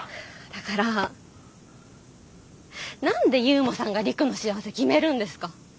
だから何で悠磨さんが陸の幸せ決めるんですか？